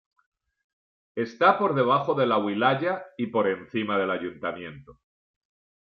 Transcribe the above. Está por debajo de la wilaya y por encima del ayuntamiento.